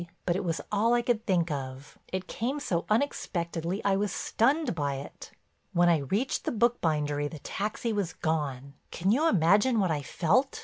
But it was all I could think of—it came so unexpectedly I was stunned by it. "When I reached the bookbindery the taxi was gone! Can you imagine what I felt?